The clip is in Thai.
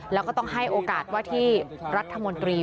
แล้วก็ต้องให้โอกาสว่าที่รัฐมนตรี